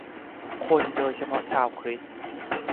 คนโดยเฉพาะชาวคริสต์